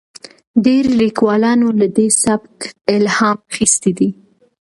ډیرو لیکوالانو له دې سبک الهام اخیستی دی.